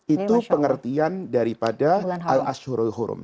itu pengertian daripada al ashurul hurum